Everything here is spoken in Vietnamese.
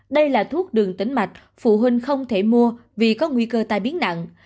đây là thuốc đường tĩnh mạch phụ huynh không thể mua vì có nguy cơ tai biến nặng